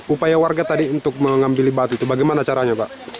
upaya warga tadi untuk mengambil batu itu bagaimana caranya pak